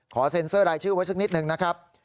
เซ็นเซอร์รายชื่อไว้สักนิดนึงนะครับ